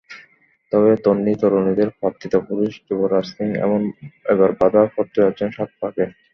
তবে তন্বী-তরুণীদের প্রার্থিত পুরুষ যুবরাজ সিং এবার বাঁধা পড়তে যাচ্ছেন সাত পাকে।